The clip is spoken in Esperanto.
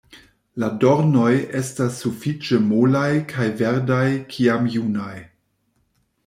La dornoj estas sufiĉe molaj kaj verdaj kiam junaj.